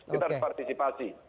kita harus partisipasi